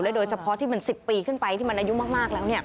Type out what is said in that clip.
โดยเฉพาะที่มัน๑๐ปีขึ้นไปที่มันอายุมากแล้ว